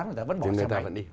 người ta vẫn bỏ xe máy